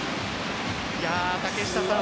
竹下さん